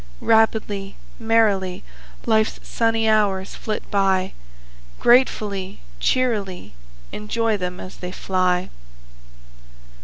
Rapidly, merrily, Life's sunny hours flit by, Gratefully, cheerily Enjoy them as they fly!